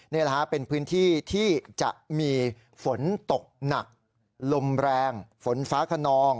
นี่แหละฮะเป็นพื้นที่ที่จะมีฝนตกหนักลมแรงฝนฟ้าขนอง